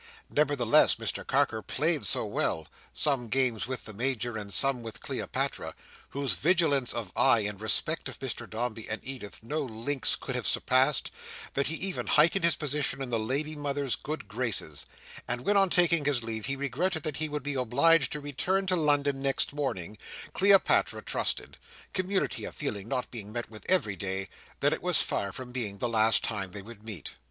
Nevertheless, Mr Carker played so well—some games with the Major, and some with Cleopatra, whose vigilance of eye in respect of Mr Dombey and Edith no lynx could have surpassed—that he even heightened his position in the lady mother's good graces; and when on taking leave he regretted that he would be obliged to return to London next morning, Cleopatra trusted: community of feeling not being met with every day: that it was far from being the last time they would meet.